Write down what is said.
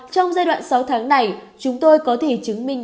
trong giai đoạn sáu tháng này chúng tôi có thể chứng minh